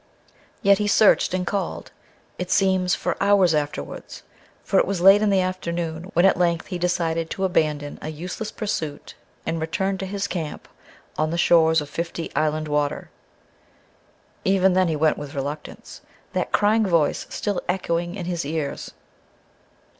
Yet he searched and called, it seems, for hours afterwards, for it was late in the afternoon when at length he decided to abandon a useless pursuit and return to his camp on the shores of Fifty Island Water. Even then he went with reluctance, that crying voice still echoing in his ears.